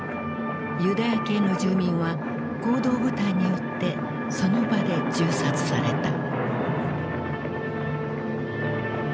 ユダヤ系の住民は行動部隊によってその場で銃殺された。